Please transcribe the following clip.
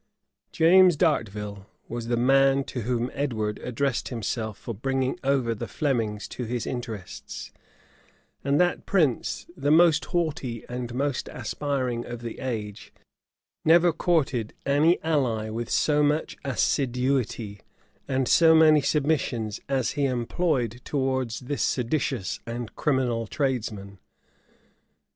James d'Arteville was the man to whom Edward addressed himself for bringing over the Flemings to his interests; and that prince, the most haughty and most aspiring of the age, never courted any ally with so much assiduity and so many submissions as he employed towards this seditious and criminal tradesman.